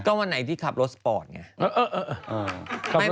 ก็วันไหนที่ขับรถสปอร์ตไง